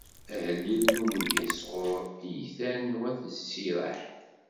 Ahellil n umeyyez, sɣur Iytan n wat Ziraḥ.